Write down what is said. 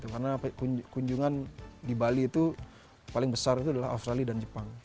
karena kunjungan di bali itu paling besar itu adalah australia dan jepang